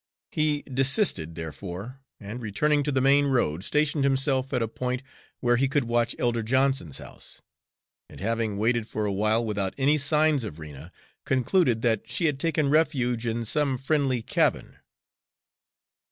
He desisted, therefore, and returning to the main road, stationed himself at a point where he could watch Elder Johnson's house, and having waited for a while without any signs of Rena, concluded that she had taken refuge in some friendly cabin.